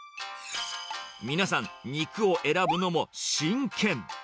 皆さん、肉を選ぶのも真剣。